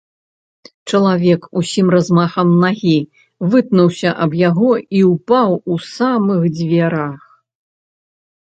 Чалавек усім размахам нагі вытнуўся аб яго і ўпаў у самых дзвярах.